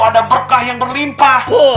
ada berkah yang berlimpah